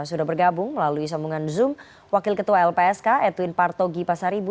sudah bergabung melalui sambungan zoom wakil ketua lpsk edwin partogi pasaribu